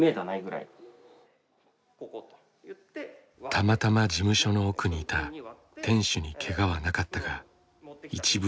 たまたま事務所の奥にいた店主にけがはなかったが一部始終を間近で目撃していた。